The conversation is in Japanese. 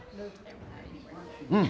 うん！